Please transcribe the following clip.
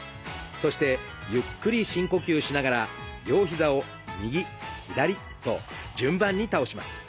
そしてゆっくり深呼吸しながら両膝を右左と順番に倒します。